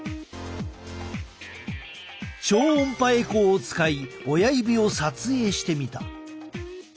超音波エコーを使い親指を撮影してみた。